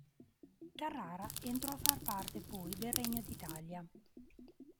Carrara entrò a far parte poi del regno d'Italia.